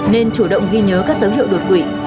nên chủ động ghi nhớ các dấu hiệu đột quỵ